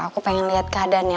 aku pengen liat keadaannya